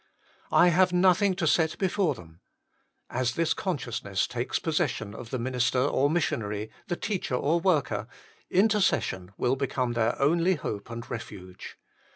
" I have nothing to set before them ": as this consciousness takes possession of the minister or missionary, the teacher or worker, intercession will become their only hope and refuge.